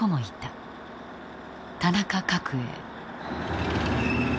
田中角栄。